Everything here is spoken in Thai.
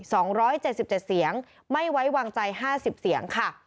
สองร้อยเจ็ดสิบเจ็ดเสียงไม่ไว้วางใจห้าสิบเสียงค่ะ